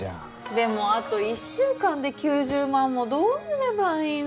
でもあと１週間で９０万もどうすればいいの。